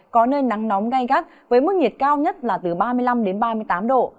có nơi nắng nóng gai gắt với mức nhiệt cao nhất là từ ba mươi năm ba mươi tám độ